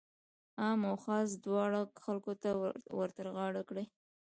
عام او خاص دواړو خلکو ته ورترغاړه کړي.